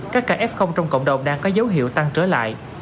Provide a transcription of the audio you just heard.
các kf trong cộng đồng đang có dấu hiệu tăng trở lại